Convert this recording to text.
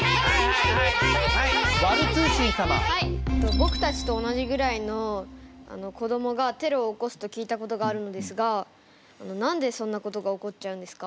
僕たちと同じぐらいの子どもがテロを起こすと聞いたことがあるのですが何でそんなことが起こっちゃうんですか？